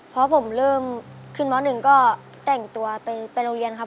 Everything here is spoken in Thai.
พอผมเริ่มขึ้นม๑ก็แต่งตัวไปโรงเรียนครับ